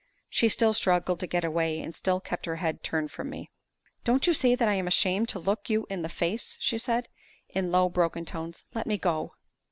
She still struggled to get away, and still kept her head turned from me. "Don't you see that I am ashamed to look you in the face?" she said, in low, broken tones. "Let me go."